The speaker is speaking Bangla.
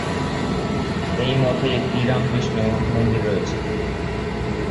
এই মঠে একটি রামকৃষ্ণ মন্দির রয়েছে।